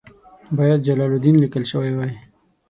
باید جلال الدین لیکل شوی وای.